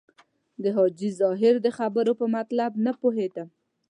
د حاجي ظاهر د خبرو په مطلب نه پوهېدم.